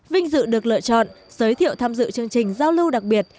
vinh dự được lựa chọn giới thiệu tham dự chương trình giao lưu đặc biệt